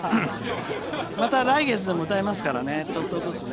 また来月にも歌いますからちょっとずつね。